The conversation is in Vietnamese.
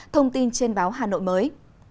thông tin trên báo hà nội mới